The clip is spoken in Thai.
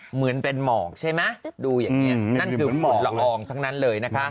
เหมือนเป็นหมอกใช่ไหมดูอย่างนี้นั่นคือฝุ่นละอองทั้งนั้นเลยนะคะ